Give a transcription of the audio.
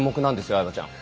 相葉ちゃん。